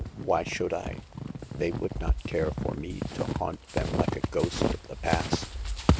Why should I ? They would not care for me to haunt them like a ghost of the past.